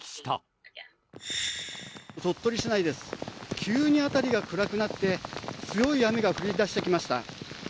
急に辺りが暗くなって強い雨が降り出してきました。